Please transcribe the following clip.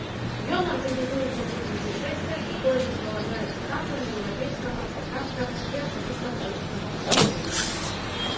Ён арганізуецца ў выглядзе шэсця, якое суправаджаецца танцамі еўрапейскага, афрыканскага і асабіста карыбскага паходжання.